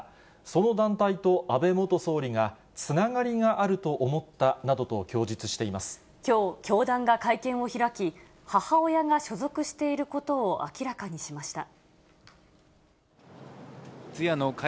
その団体と安倍元総理がつながりあると思ったなどと供述していまきょう、教団が会見を開き、母親が所属していることを明らかにしました。